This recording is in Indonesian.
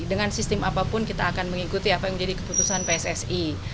dengan sistem apapun kita akan mengikuti apa yang menjadi keputusan pssi